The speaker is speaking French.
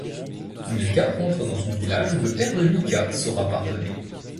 Micah rentre dans son village où le père de Micah saura pardonner.